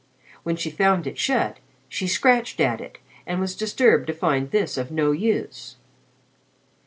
When she found it shut, she scratched at it and was disturbed to find this of no use.